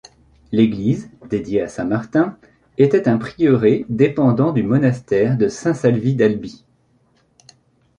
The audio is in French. L'église, dédiée à saint Martin, était un prieuré dépendant du monastère de Saint-Salvi d'Albi.